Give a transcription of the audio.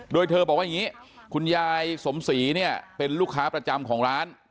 โดยเธอบอกว่าอย่างนี้คุณยายสมศรีเนี่ยเป็นลูกค้าประจำของร้าน